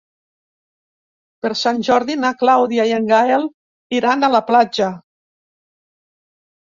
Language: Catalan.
Per Sant Jordi na Clàudia i en Gaël iran a la platja.